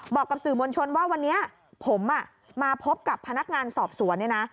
บอกกับสื่อมวลชนว่าวันนี้ผมมาพบกับพนักงานสอบสวนเนี่ยนะ